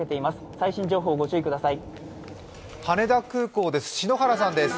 最新情報をご注意ください。